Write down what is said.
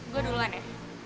gue duluan ya